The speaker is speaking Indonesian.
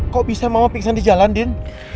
kok bisa mama piksan di jalan din